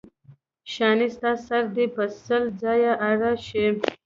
شانې ستا سر دې په سل ځایه اره شي.